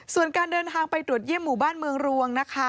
ส่วนการเดินทางไปตรวจเยี่ยมหมู่บ้านเมืองรวงนะคะ